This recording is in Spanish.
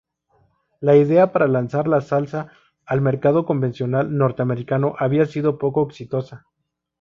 La idea para lanzar la salsa al mercado convencional norteamericano había sido poco exitosa.